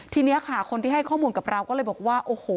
ทีนี้ค่ะคนที่ให้ข้อมูลกับเราก็เลยบอกว่าโอ้โห